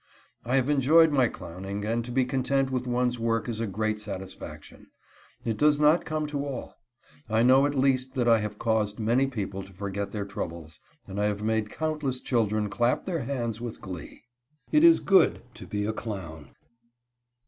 I have enjoyed my clowning, and to be content with one's work is a great satisfaction. It does not come to all. I know at least that I have caused many people to forget their troubles, and I have made countless children clap their little hands with glee. It is good to be a clown.